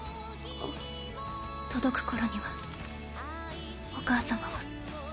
届く頃にはお母様は。